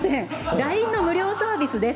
ＬＩＮＥの無料サービスです。